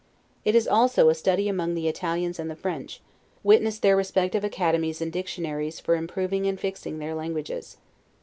It is also a study among the Italians and the French; witness their respective academies and dictionaries for improving and fixing their languages.